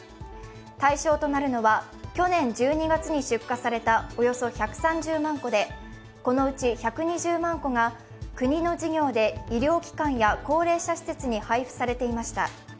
対象となるのは、去年１２月に出荷されたおよそ１３０万個でこのうち１２０万個が国の事業で医療機関や高齢者施設に配布されていました。